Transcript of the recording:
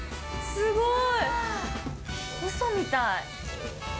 すごい。